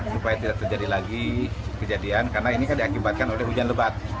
supaya tidak terjadi lagi kejadian karena ini kan diakibatkan oleh hujan lebat